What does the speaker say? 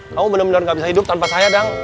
kamu bener bener gak bisa hidup tanpa saya dang